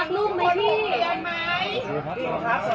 เรารักเด็กไหมชอบเด็กไหมเอ็ม